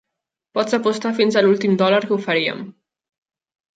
Pots apostar fins a l'últim dòlar que ho faríem!